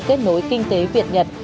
kết nối kinh tế việt nhật